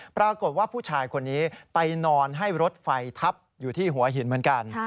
ปรากฏว่าผู้ชายคนนี้ไปนอนให้รถไฟทับอยู่ที่หัวหินเหมือนกัน